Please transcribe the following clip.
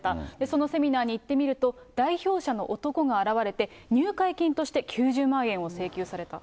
そのセミナーに行ってみると、代表者の男が現れて、入会金として９０万円を請求された。